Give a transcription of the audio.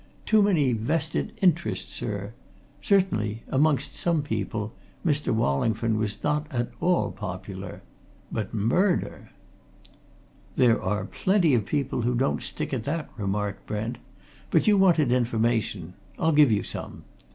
Too many vested interests, sir! Certainly amongst some people Mr. Wallingford was not at all popular. But murder!" "There are plenty of people who don't stick at that," remarked Brent. "But you wanted information. I'll give you some."